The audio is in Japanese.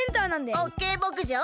オッケーぼくじょう！